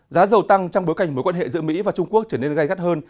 giá dầu tăng trong bối cảnh mối quan hệ giữa mỹ và trung quốc trở nên gai gắt hơn